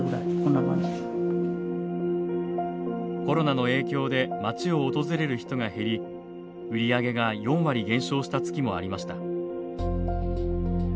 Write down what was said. コロナの影響で町を訪れる人が減り売り上げが４割減少した月もありました。